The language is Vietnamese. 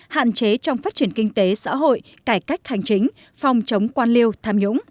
hạn chế trong phát triển kinh tế xã hội cải cách hành chính phòng chống quan liêu tham nhũng